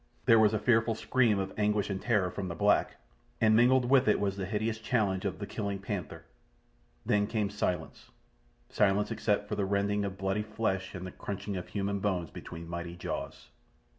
There was a fearful scream of anguish and terror from the black, and mingled with it was the hideous challenge of the killing panther. Then came silence—silence except for the rending of bloody flesh and the crunching of human bones between mighty jaws.